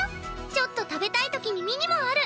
ちょっと食べたい時にミニもある！